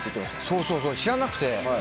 そうそう知らなくて。